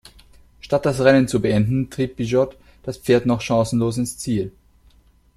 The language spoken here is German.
Statt das Rennen zu beenden, trieb Piggott das Pferd noch chancenlos ins Ziel.